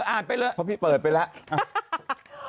อ่านไปเลยเพราะว่าพี่เปิดไปแล้ว